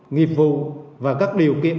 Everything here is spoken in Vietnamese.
nghiệp vụ và các điều kiện